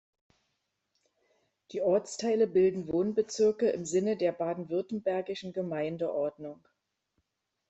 Die Ortsteile bilden Wohnbezirke im Sinne der baden-württembergischen Gemeindeordnung.